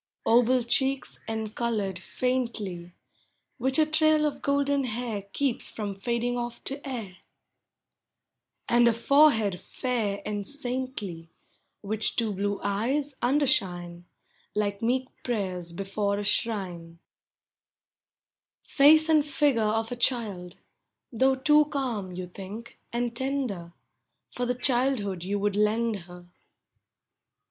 Oval cheeks encolored faintly, Which a trail of golden hair Keeps from fading off to air; And a forehead fair and saintly, Which two blue eyes undershine. Like meek prayers before a shrine. Digitized by Google ABOUT CHILDREN. 57 Face and figure of a child, — Though too calm, you thiuk, and tender, For the childhood you would lend her.